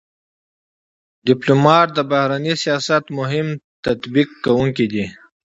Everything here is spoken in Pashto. ډيپلومات د بهرني سیاست مهم تطبیق کوونکی دی.